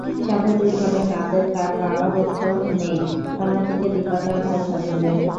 স্বাভাবিকভাবে নাদের তার বাবার পক্ষ নেয়, অন্যদিকে দীপা তার ভাই সজলের।